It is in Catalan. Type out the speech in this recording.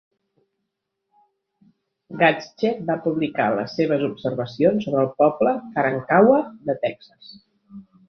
Gatschet va publicar les seves observacions sobre el poble Karankawa de Texas.